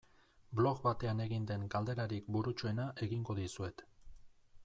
Blog batean egin den galderarik burutsuena egingo dizuet.